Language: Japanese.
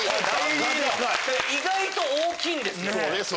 意外と大きいんですよ。